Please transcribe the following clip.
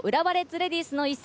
レディースの一戦。